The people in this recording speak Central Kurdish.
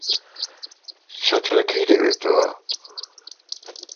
چەترەکەی دەوێتەوە.